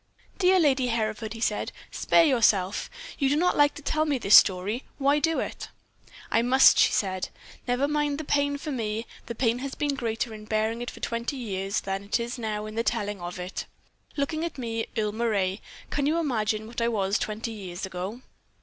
"Dear Lady Hereford," he said, "spare yourself. You do not like to tell me this story why do it?" "I must," she said. "Never mind the pain for me; the pain has been greater in bearing it for twenty years than it is now in the telling of it. Looking at me, Earle Moray, can you imagine what I was twenty years ago?"